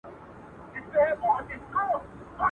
چي طلب ئې کوې، پر پېښ به سې.